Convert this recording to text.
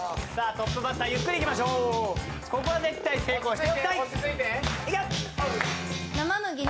トップバッターゆっくりいきましょう、ここは絶対成功しておきたい！